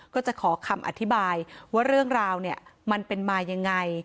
ก็จะขอคำอธิบายว่าเรื่องราวเนี่ยมันเป็นมายังไง